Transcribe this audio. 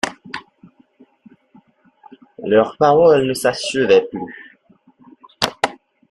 Leurs paroles ne s'achevaient plus.